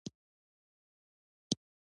د اعصابو ارامولو لپاره د بهار نارنج ګل وکاروئ